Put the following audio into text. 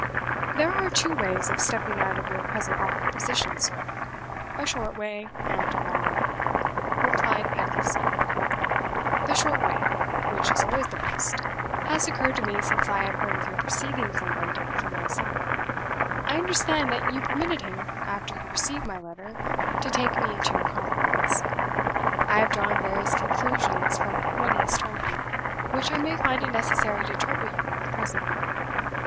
"There are two ways of stepping out of your present awkward position, sir a short way, and a long way," replied Pedgift Senior. "The short way (which is always the best) has occurred to me since I have heard of your proceedings in London from my son. I understand that you permitted him, after you received my letter, to take me into your confidence. I have drawn various conclusions from what he has told me, which I may find it necessary to trouble you with presently.